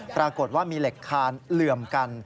ปรากฏว่ามีเหล็กคานเหลื่อมกัน